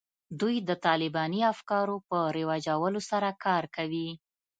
دوی د طالباني افکارو په رواجولو سره کار کوي